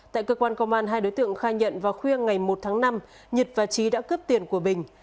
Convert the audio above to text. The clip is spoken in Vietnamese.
tại cơ quan công an hai đối tượng khai nhận vào khuya ngày một tháng năm nhật và trí đã cướp tiền của bình